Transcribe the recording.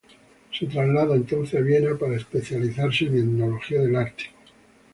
Se traslada entonces a Viena para especializarse en etnología del Ártico.